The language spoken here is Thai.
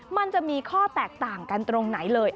มันจะมีข้อแตกต่างกันตรงไหนเลย